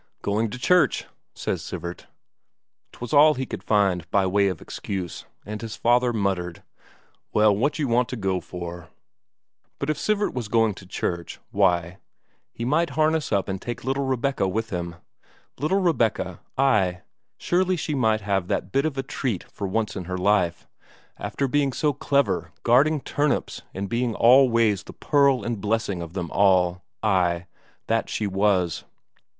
"Going to church," says Sivert. 'Twas all he could find by way of excuse, and his father muttered:" Well, what you want to go for ...?" But if Sivert was going to church, why, he might harness up and take little Rebecca with him. Little Rebecca, ay, surely she might have that bit of a treat for once in her life, after being so clever guarding turnips and being all ways the pearl and blessing of them all, ay, that she was.